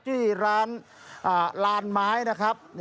ที่ร้านลานไม้นะครับ